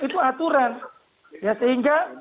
itu aturan ya sehingga